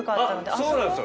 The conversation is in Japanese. そうなんですよ。